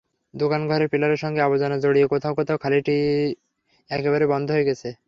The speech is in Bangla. দোকানঘরের পিলারের সঙ্গে আবর্জনা জড়িয়ে কোথাও কোথাও খালটি একবারেই বন্ধ হয়ে গেছে।